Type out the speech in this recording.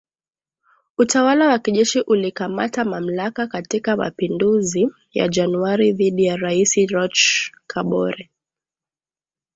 Utawala wa kijeshi ulikamata mamlaka katika mapinduzi ya Januari dhidi ya Raisi Roch Kabore